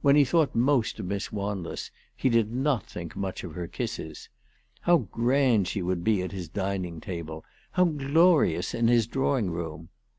"When he thought most of Miss Wanless he did not think much of her kisses. How grand she would be at his dining table, how glorious in his drawing room